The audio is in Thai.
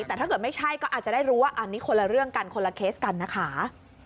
แต่ถ้าเกิดไม่ใช่ก็อาจจะได้รู้ว่าอันนี้คนละเรื่องกันคนละเคสกันนะคะ